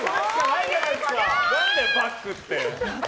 何だよ、バッグって。